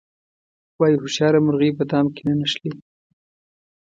وایي هوښیاره مرغۍ په دام کې نه نښلي.